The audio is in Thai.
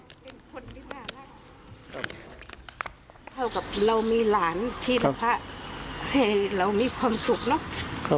เท่ากับเรามีหลานที่พระพระให้เรามีความสุขเนอะ